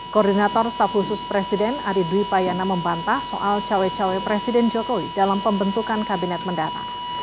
koordinator staf khusus presiden ari dwi payana membantah soal cawe cawe presiden jokowi dalam pembentukan kabinet mendata